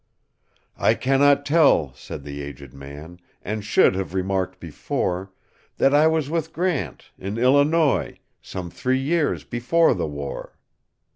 "I cannot tell," said the aged man,"And should have remarked before, That I was with Grant,—in Illinois,—Some three years before the war."